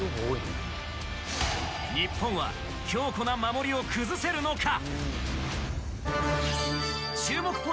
日本は強固な守りを崩せるのか。